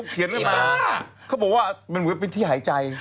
เขาบอกว่ามันเป็นที่หายใจ